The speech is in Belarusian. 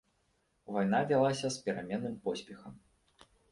Вайна вялася з пераменным поспехам.